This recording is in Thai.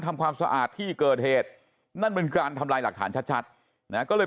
ทำความสะอาดที่เกิดเหตุนั่นเป็นการทำลายหลักฐานชัดนะก็เลย